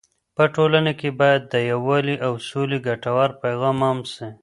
په ټولنه کې باید د یووالي او سولې ګټور پیغام عام سي.